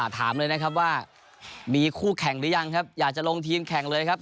ถามเลยนะครับว่ามีคู่แข่งหรือยังครับอยากจะลงทีมแข่งเลยครับ